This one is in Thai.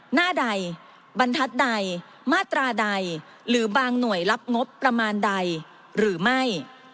หน้าใดบรรทัศน์ใดมาตราใดหรือบางหน่วยรับงบประมาณใดหรือไม่